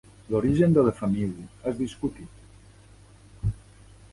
L'origen de la família és discutit.